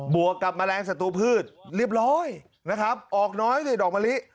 วกกับแมลงศัตรูพืชเรียบร้อยนะครับออกน้อยสิดอกมะลิ